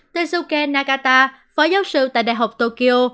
teisuke nakata phó giáo sư tại đại học tokyo